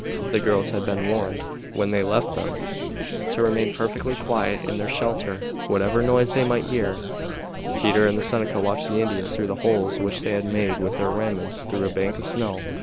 The girls had been warned, when they left them, to remain perfectly quiet in their shelter whatever noise they might hear. Peter and the Seneca watched the Indians through holes which they had made with their ramrods through a bank of snow.